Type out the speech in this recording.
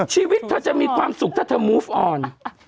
ให้พลังเยอะหลายวันถูกสู้ออก